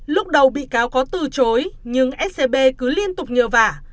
lúc đầu bị cáo có từ chối nhưng scb cứ liên tục nhờ và